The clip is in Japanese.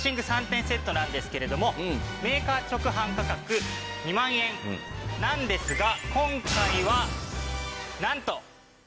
３点セットなんですけれどもメーカー直販価格２万円なんですが今回はなんと。